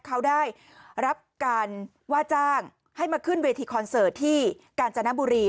เขาได้รับการว่าจ้างให้มาขึ้นเวทีคอนเสิร์ตที่กาญจนบุรี